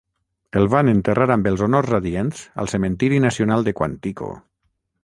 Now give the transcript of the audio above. El van enterrar amb els honors adients al Cementiri Nacional de Quantico.